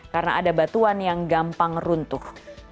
karena ada batuan yang gampang runtuh